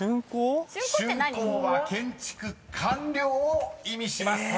［竣工は「建築完了」を意味します］